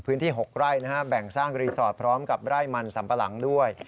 พื้นที่๖ไร่แบ่งสร้างรีสอร์ทพร้อมกับไร่มันสัมปะหลังด้วย